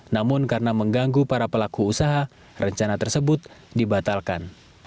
namun karena mengganggu para pelaku usaha rencana tersebut dibatalkan